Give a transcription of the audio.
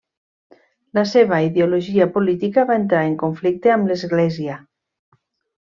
La seva ideologia política va entrar en conflicte amb l'església.